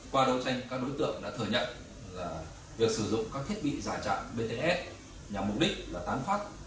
qua đấu tranh các đối tượng đã thừa nhận việc sử dụng các thiết bị giả chặn bts nhằm mục đích là tán phát